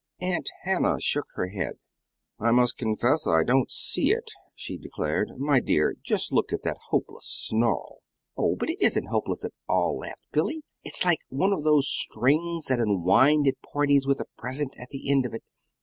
Aunt Hannah shook her head. "I must confess I don't see it," she declared. "My dear, just look at that hopeless snarl!" "Oh, but it isn't hopeless at all," laughed Billy. "It's like one of those strings they unwind at parties with a present at the end of it.